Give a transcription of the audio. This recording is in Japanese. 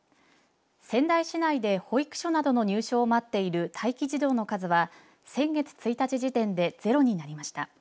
仙台市内で保育所などの入所を待っている待機児童の数は先月１日時点でゼロになりました。